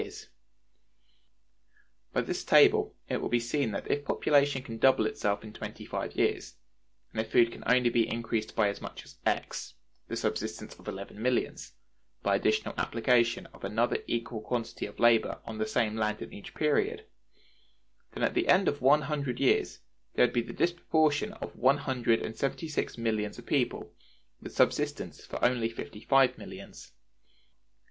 Food. 25 11 mills x 25 22 mills 2x 25 44 mills 3x 25 88 mills 4x 25 176 mills 5x By this table it will be seen that if population can double itself in twenty five years, and if food can only be increased by as much as x (the subsistence of eleven millions) by additional application of another equal quantity of labor on the same land in each period, then at the end of one hundred years there would be the disproportion of one hundred and seventy six millions of people, with subsistence for only fifty five millions.